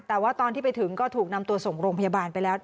แต่ว่าตอนที่ไปถึงก็ถูกนำตัวส่งโรงพยาบาลไปแล้ว